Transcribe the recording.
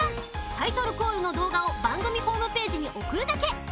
タイトルコールのどうがをばんぐみホームページにおくるだけ。